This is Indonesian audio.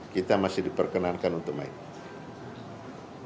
kita masih diperkenankan untuk main